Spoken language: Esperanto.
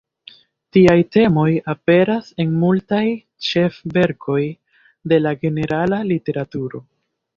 Tiaj temoj aperas en multaj ĉef-verkoj de la generala literaturo.